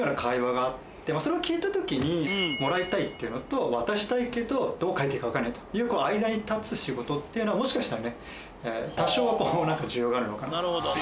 それを聞いた時にもらいたいというのと渡したいけどどう書いていいか分からない間に立つ仕事ってもしかしたら多少は需要があるのかなと。